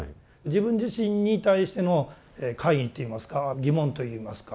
自分自身に対しての懐疑っていいますか疑問といいますか。